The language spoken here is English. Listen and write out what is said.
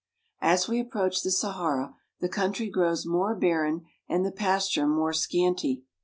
As we approach the Sahara the country grows more barren and the pasture more scanty.